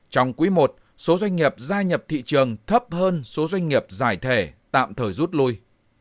trong quý i số doanh nghiệp gia nhập thị trường thấp hơn số doanh nghiệp giải thể tạm thời rút lui